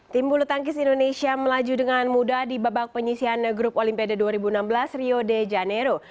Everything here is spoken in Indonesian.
tim bulu tangkis indonesia melaju dengan mudah di babak penyisian grup olimpiade dua ribu enam belas rio de janeiro